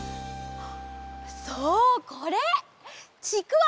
そうこれ！ちくわ！